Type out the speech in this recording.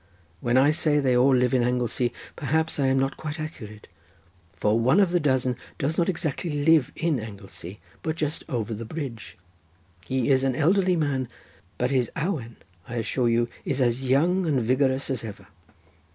When I say they all live in Anglesey, perhaps I am not quite accurate, for one of the dozen does not exactly live in Anglesey, but just over the bridge. He is an elderly man, but his awen, I assure you, is as young and vigorous as ever."